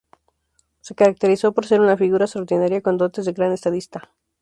Se caracterizó por ser una figura extraordinaria con dotes de gran estadista.